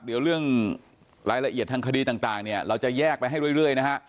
เดี๋ยวเรื่องรายละเอียดทางคดีต่างเนี่ยเราจะแยกไปให้เรื่อยนะฮะ